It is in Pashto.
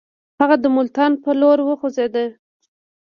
هغه د ملتان پر لور وخوځېدی.